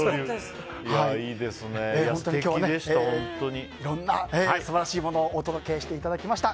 本当に今日はいろんな素晴らしいものをお届けしていただきました。